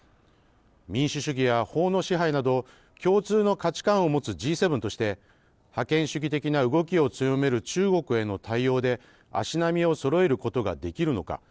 民主主義や法の支配など、共通の価値観を持つＧ７として、覇権主義的な動きを強める中国への対応で、足並みをそろえることができるのか。